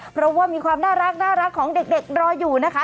เพราะว่ามีความน่ารักของเด็กรออยู่นะคะ